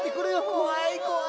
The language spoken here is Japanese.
こわいこわい。